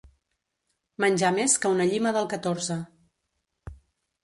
Menjar més que una llima del catorze.